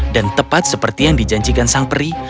dan tepat seperti yang dijanjikan sang peri